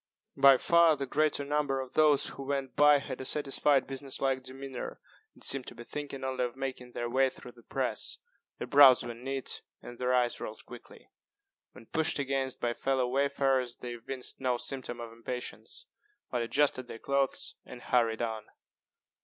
By far the greater number of those who went by had a satisfied business like demeanor, and seemed to be thinking only of making their way through the press. Their brows were knit, and their eyes rolled quickly; when pushed against by fellow wayfarers they evinced no symptom of impatience, but adjusted their clothes and hurried on.